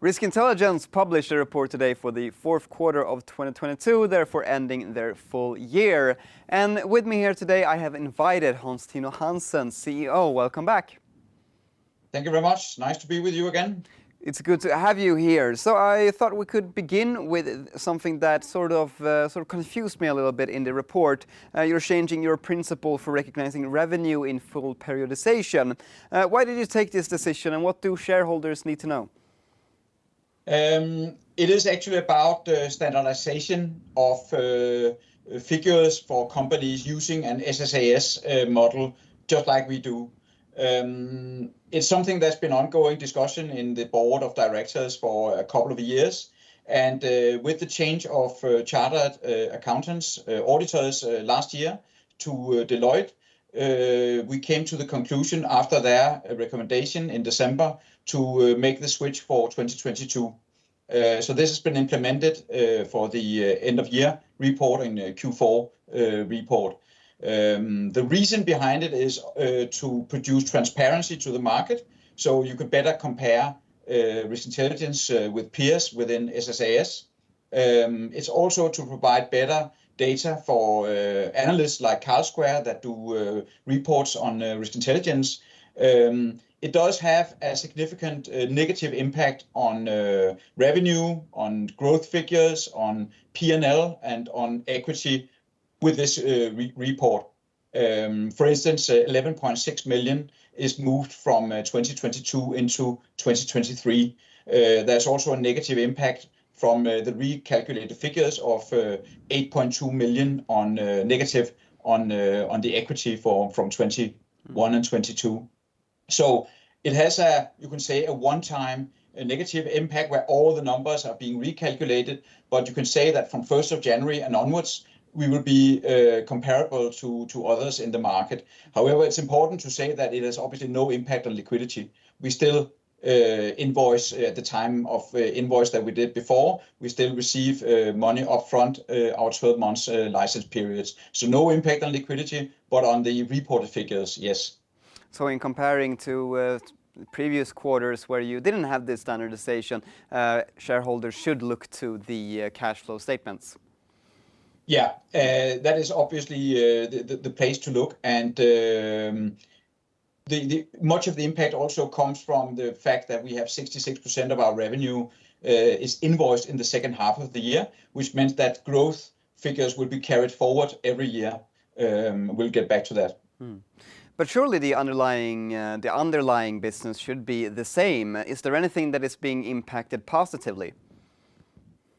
Risk Intelligence published a report today for the fourth quarter of 2022, therefore ending their full year. With me here today, I have invited Hans Tino Hansen, CEO. Welcome back. Thank you very much. Nice to be with you again. It's good to have you here. I thought we could begin with something that sort of confused me a little bit in the report. You're changing your principle for recognizing revenue in full periodization. Why did you take this decision, and what do shareholders need to know? It is actually about standardization of figures for companies using an SaaS model just like we do. It's something that's been ongoing discussion in the board of directors for a couple of years, and with the change of chartered accountants auditors last year to Deloitte. We came to the conclusion after their recommendation in December to make the switch for 2022. This has been implemented for the end of year report and Q4 report. The reason behind it is to produce transparency to the market, so you can better compare Risk Intelligence with peers within SaaS. It's also to provide better data for analysts like Carlsquare that do reports on Risk Intelligence. It does have a significant negative impact on revenue, on growth figures, on P&L and on equity with this report. For instance, 11.6 million is moved from 2022 into 2023. There's also a negative impact from the recalculated figures of 8.2 million on negative on the equity for from 2021 and 2022. It has a, you can say, a one-time negative impact where all the numbers are being recalculated, but you can say that from 1st of January and onwards, we will be comparable to others in the market. It's important to say that it has obviously no impact on liquidity. We still invoice at the time of invoice that we did before. We still receive money upfront, our 12 months license periods. No impact on liquidity, but on the reported figures, yes. In comparing to previous quarters where you didn't have this standardization, shareholders should look to the cash flow statements. Yeah. That is obviously the place to look, and Much of the impact also comes from the fact that we have 66% of our revenue is invoiced in the second half of the year, which meant that growth figures will be carried forward every year. We'll get back to that. Surely the underlying business should be the same. Is there anything that is being impacted positively?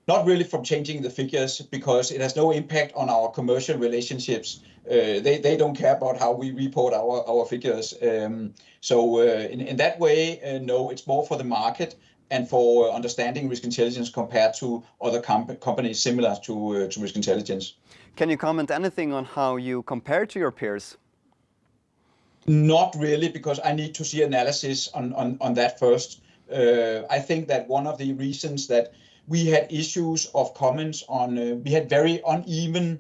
Not really from changing the figures because it has no impact on our commercial relationships. They don't care about how we report our figures. In that way, no, it's more for the market and for understanding Risk Intelligence compared to other companies similar to Risk Intelligence. Can you comment anything on how you compare to your peers? Not really because I need to see analysis on that first. I think that one of the reasons that we had issues of comments on, we had very uneven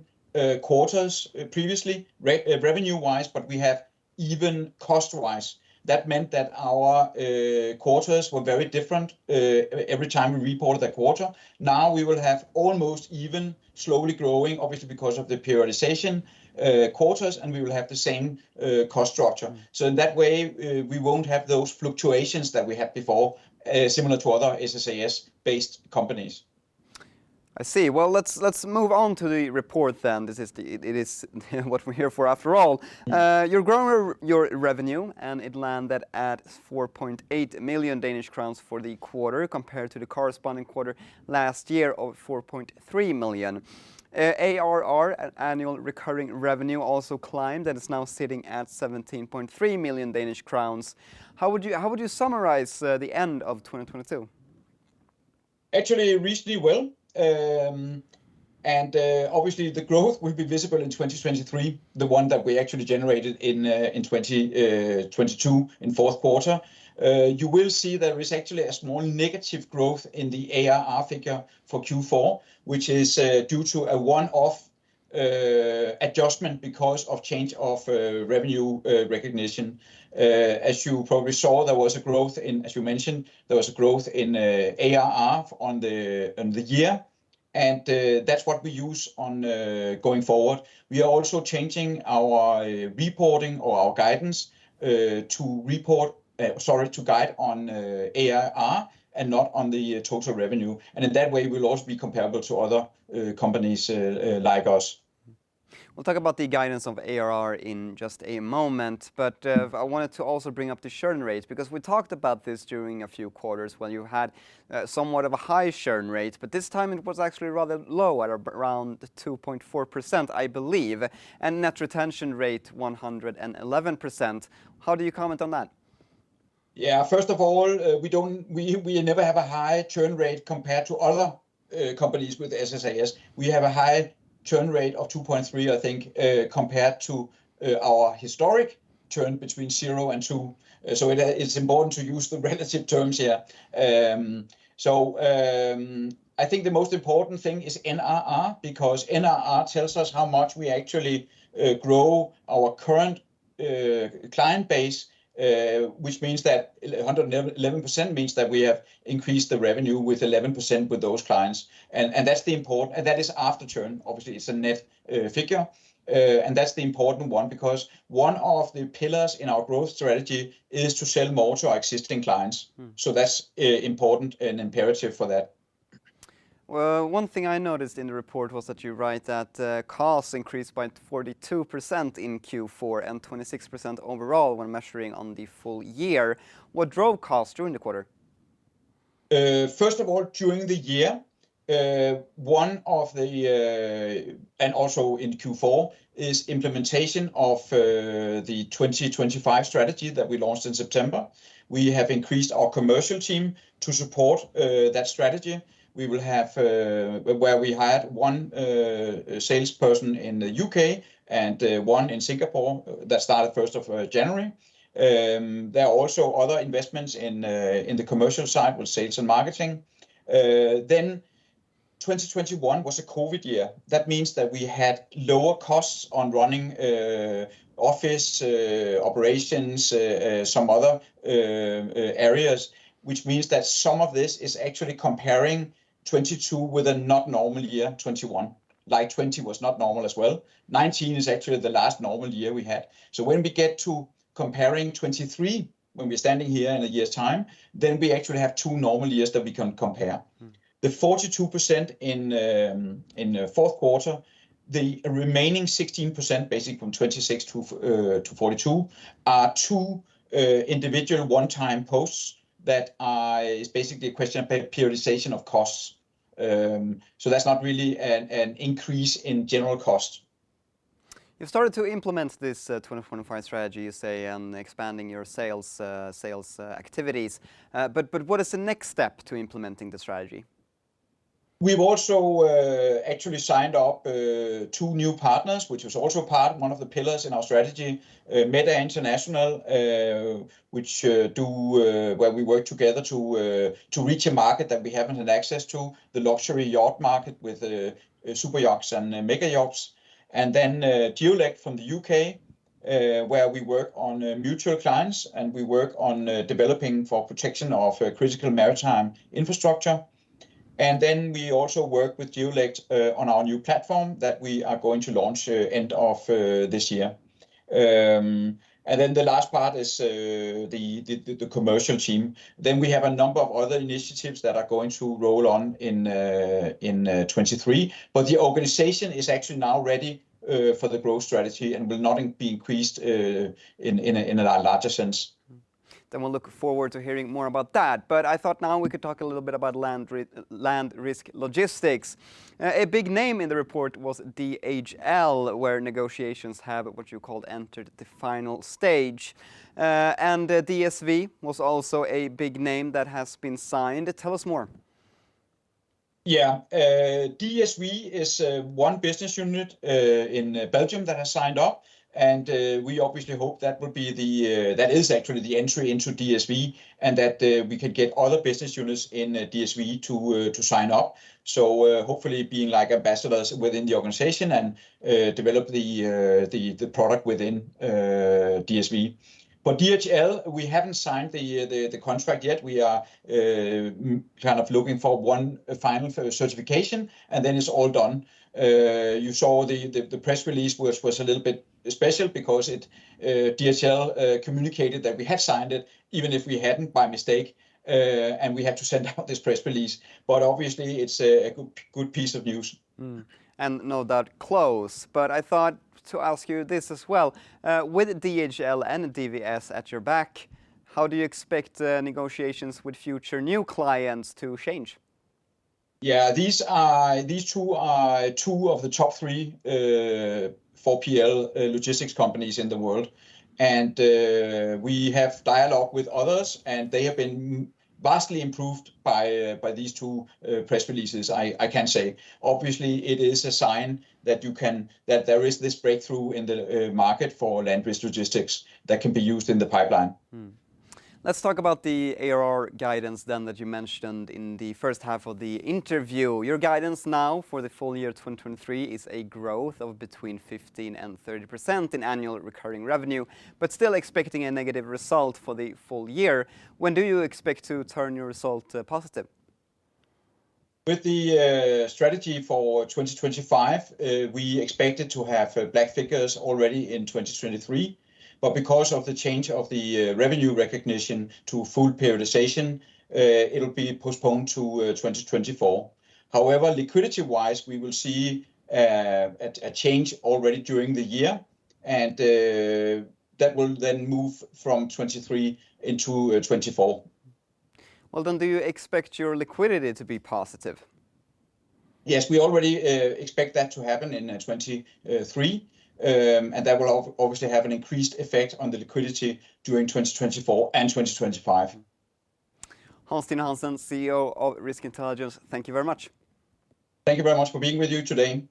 quarters previously revenue wise, but we have even cost-wise. That meant that our quarters were very different every time we reported a quarter. Now we will have almost even, slowly growing, obviously because of the periodization, quarters, and we will have the same cost structure. In that way, we won't have those fluctuations that we had before, similar to other SaaS-based companies. I see. Well, let's move on to the report then. This is it is, what we're here for after all. You're growing your revenue, and it landed at 4.8 million Danish crowns for the quarter compared to the corresponding quarter last year of 4.3 million. ARR, annual recurring revenue, also climbed, and it's now sitting at 17.3 million Danish crowns. How would you summarize the end of 2022? Actually reasonably well. Obviously, the growth will be visible in 2023, the one that we actually generated in 2022 in fourth quarter. You will see there is actually a small negative growth in the ARR figure for Q4, which is due to a one-off adjustment because of change of revenue recognition. As you probably saw, there was a growth in, as you mentioned, there was a growth in ARR on the year, and that's what we use on going forward. We are also changing our reporting or our guidance to report to guide on ARR and not on the total revenue. In that way, we'll also be comparable to other companies like us. We'll talk about the guidance of ARR in just a moment, but, I wanted to also bring up the churn rate because we talked about this during a few quarters when you had, somewhat of a high churn rate, but this time it was actually rather low at around 2.4%, I believe, and net retention rate 111%. How do you comment on that? First of all, we don't, we never have a high churn rate compared to other companies with SaaS. We have a high churn rate of 2.3%, I think, compared to our historic churn between zero and two. It's important to use the relative terms here. I think the most important thing is NRR because NRR tells us how much we actually grow our current client base, which means that 111% means that we have increased the revenue with 11% with those clients. That is after churn, obviously. It's a net figure. That's the important one because one of the pillars in our growth strategy is to sell more to our existing clients. That's important and imperative for that. One thing I noticed in the report was that you write that costs increased by 42% in Q4, and 26% overall when measuring on the full year. What drove costs during the quarter? First of all, during the year, one of the, also in Q4, is implementation of the 2025 strategy that we launched in September. We have increased our commercial team to support that strategy. We will have, where we hired 1 sales person in the U.K., and 1 in Singapore that started 1st of January. There are also other investments in the commercial side with sales and marketing. 2021 was a COVID year. That means that we had lower costs on running office operations, some other areas, which means that some of this is actually comparing 2022 with a not normal year, 2021. Like 2020 was not normal as well. 2019 is actually the last normal year we had. When we get to comparing 2023, when we're standing here in a year's time, then we actually have two normal years that we can compare. The 42% in the fourth quarter, the remaining 16%, basically from 26% to 42%, are two individual one-time posts that it's basically a question of periodization of costs. That's not really an increase in general cost. You've started to implement this, 2025 strategy, you say, and expanding your sales activities. What is the next step to implementing the strategy? We've also actually signed up two new partners, which was also part, one of the pillars in our strategy. Meta International, where we work together to reach a market that we haven't had access to, the luxury yacht market, with the super yachts and the mega yachts. Geollect from the U.K., where we work on mutual clients, and we work on developing for protection of critical maritime infrastructure. We also work with Geollect on our new platform that we are going to launch end of this year. The last part is the commercial team. We have a number of other initiatives that are going to roll on in 2023. The organization is actually now ready for the growth strategy and will not be increased in a larger sense. We'll look forward to hearing more about that. I thought now we could talk a little bit about LandRisk Logistics. A big name in the report was DHL, where negotiations have, what you called, entered the final stage. DSV was also a big name that has been signed. Tell us more. DSV is one business unit in Belgium that has signed up, and we obviously hope that will be the that is actually the entry into DSV, and that we can get other business units in DSV to sign up. Hopefully being like ambassadors within the organization and develop the product within DSV. DHL, we haven't signed the contract yet. We are kind of looking for one final certification, and then it's all done. You saw the press release was a little bit special because it DHL communicated that we had signed it, even if we hadn't, by mistake. We had to send out this press release. Obviously, it's a good piece of news. No doubt close, but I thought to ask you this as well. With DHL and DSV at your back, how do you expect negotiations with future new clients to change? Yeah. These two are two of the top three 4PL logistics companies in the world. We have dialogue with others, and they have been vastly improved by these two press releases, I can say. It is a sign that you can, that there is this breakthrough in the market for LandRisk Logistics that can be used in the pipeline. Let's talk about the ARR guidance then that you mentioned in the first half of the interview. Your guidance now for the full year 2023 is a growth of between 15% and 30% in annual recurring revenue, but still expecting a negative result for the full year. When do you expect to turn your result positive? With the 2025 strategy, we expected to have black figures already in 2023. Because of the change of the revenue recognition to full periodization, it'll be postponed to 2024. However, liquidity-wise, we will see a change already during the year. That will then move from 2023 into 2024. Do you expect your liquidity to be positive? Yes, we already expect that to happen in 2023. That will obviously have an increased effect on the liquidity during 2024 and 2025. Hans Tino Hansen, CEO of Risk Intelligence, thank you very much. Thank you very much for being with you today.